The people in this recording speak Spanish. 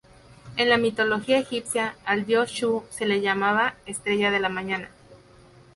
En la mitología egipcia, al dios Shu se le llamaba "Estrella de la mañana".